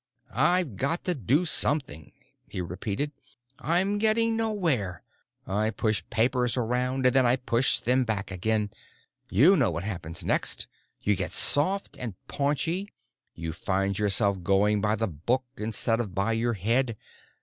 I've got to do something," he repeated. "I'm getting nowhere! I push papers around and then I push them back again. You know what happens next. You get soft and paunchy. You find yourself going by the book instead of by your head.